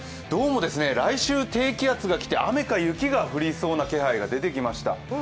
どうも来週、低気圧が来て雨か雪が降りそうな気配が出てきました。